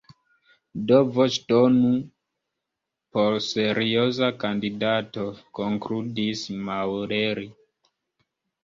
Do voĉdonu por serioza kandidato, konkludis Maurelli.